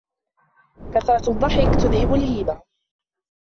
كثرة الضحك تذهب الهيبة